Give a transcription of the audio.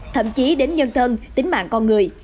thậm chí đến nhân thân tính mạng con người